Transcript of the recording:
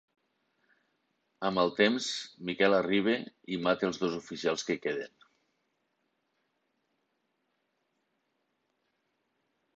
Amb el temps, Miquel arriba i mata els dos oficials que queden.